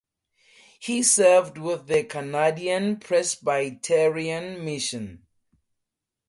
He served with the Canadian Presbyterian Mission.